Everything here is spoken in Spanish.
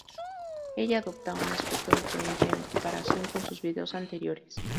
Ella adopta un aspecto diferente en comparación con sus videos anteriores.